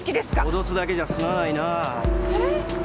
脅すだけじゃ済まないなあ。